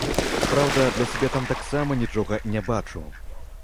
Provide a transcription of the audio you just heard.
Праўда, для сябе там таксама нічога не бачу.